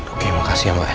oke makasih ya mbak